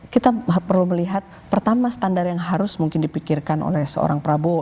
kita perlu melihat pertama standar yang harus mungkin dipikirkan oleh seorang prabowo